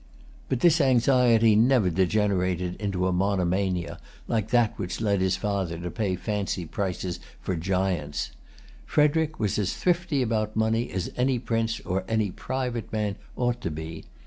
But this anxiety never degenerated into a monomania, like that which led his father to pay fancy prices for giants. Frederic was as thrifty about money as any prince or any private man ought to be.